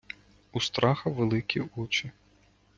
Устраха великі очи.